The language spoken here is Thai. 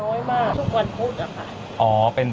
น้อยมากทุกวันพุธนะคะ